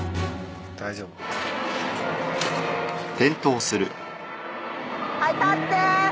大丈夫。